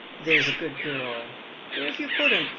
— there's a good girl. Where' ve you put 'em